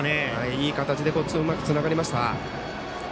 いい形でうまくつながりました。